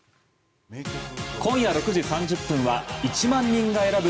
今夜６時３０分は「１万人が選ぶ！